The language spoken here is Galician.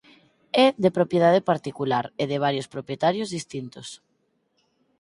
É de propiedade particular e de varios propietarios distintos.